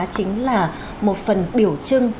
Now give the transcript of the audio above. chính là một phần biểu trưng